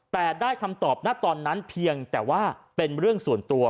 แต่ได้คำตอบณตอนนั้นเพียงแต่ว่าเป็นเรื่องส่วนตัว